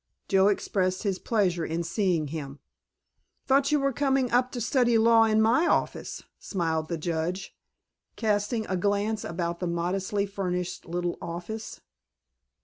Joe expressed his pleasure in seeing him. "Thought you were coming up to study law in my office?" smiled the Judge, casting a glance about the modestly furnished little office.